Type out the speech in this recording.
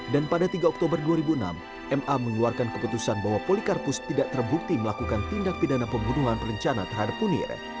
pada tiga oktober dua ribu enam ma mengeluarkan keputusan bahwa polikarpus tidak terbukti melakukan tindak pidana pembunuhan berencana terhadap munir